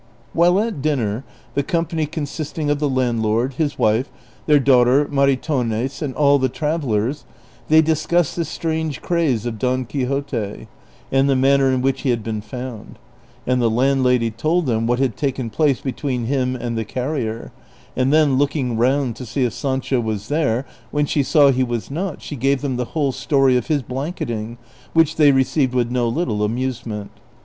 While at dinner, the company consisting of the landlord, his wife, their daughter, Maritornes, and all the travellers, they discussed the strange craze of Don Quixote and the manner in which he had been found ; and the landlady told them what had taken place between him and the carrier ; and then, look iuii round to see if Sancho was there, when she saw he was not, she gave them the whole story of his blanketing, which they received with no little amusement.